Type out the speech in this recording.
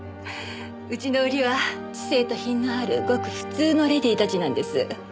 うちの売りは知性と品のあるごく普通のレディーたちなんです。